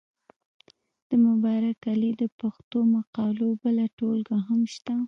د مبارک علي د پښتو مقالو بله ټولګه هم شته.